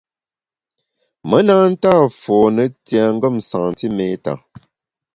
Me na nta fone tiengem santiméta.